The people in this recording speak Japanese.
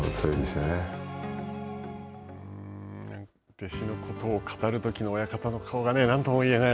弟子のことを語るときの親方の顔が何とも言えない